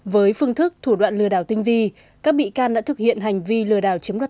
với phương thức thủ đoạn lừa đảo tinh vi các bị can đã thực hiện hành vi lừa đảo chiếm đoạt